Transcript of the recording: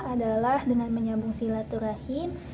adalah dengan menyambung silaturahmi